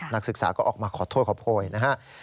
นักศึกษาก็ออกมาขอโทษขอโพยนะฮะ